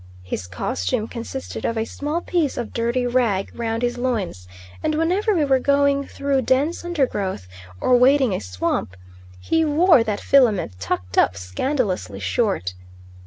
His costume consisted of a small piece of dirty rag round his loins; and whenever we were going through dense undergrowth, or wading a swamp, he wore that filament tucked up scandalously short.